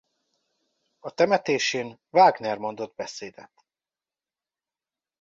A temetésén Wagner mondott beszédet.